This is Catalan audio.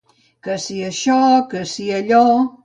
Que si això, que si allò.